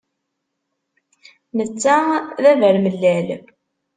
Netta d abermellal.